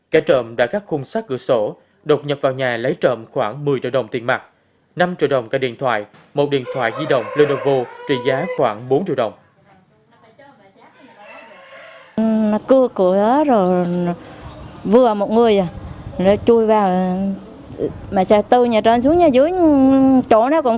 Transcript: kẻ trộm đã cắt khung sát cửa sổ đột nhập vào nhà lấy trộm khoảng một mươi triệu đồng tiền mặt năm triệu đồng cả điện thoại một điện thoại di động lenovo trị giá khoảng bốn triệu đồng